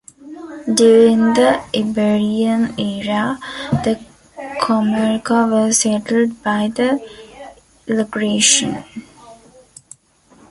During the Iberian era, the comarca was settled by the Ilergetians.